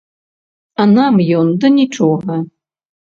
А нам ён да нічога.